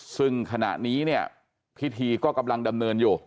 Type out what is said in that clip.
ซึ่งขณะนี้เนี่ยพิธีก็กำลังดำเนินอยู่